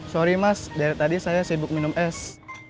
sorry mas dari tadi saya sibuk minum es